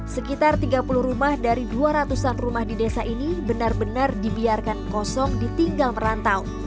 sekitar tiga puluh rumah dari dua ratus an rumah di desa ini benar benar dibiarkan kosong ditinggal merantau